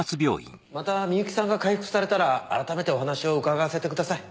また深雪さんが回復されたら改めてお話を伺わせてください。